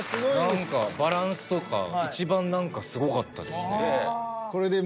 何かバランスとかいちばん何かすごかったですね。